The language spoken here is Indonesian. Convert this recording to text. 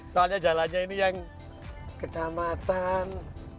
soalnya jalannya ini yang kecamatan